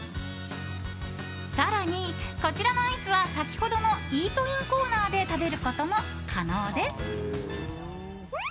更に、こちらのアイスは先ほどのイートインコーナーで食べることも可能です。